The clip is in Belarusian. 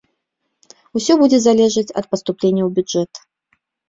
Усё будзе залежаць ад паступленняў у бюджэт.